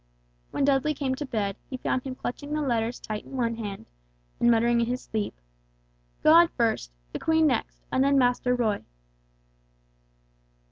When Dudley came to bed he found him clutching the letters tight in one hand, and muttering in his sleep, "God first, the Queen next, and then Master Roy!"